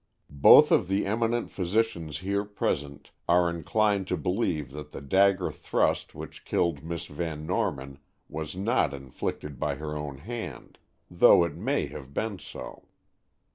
Both of the eminent physicians here present are inclined to believe that the dagger thrust which killed Miss Van Norman was not inflicted by her own hand, though it may have been so.